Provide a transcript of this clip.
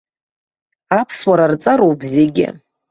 Аԥсуара рҵароуп зегьы.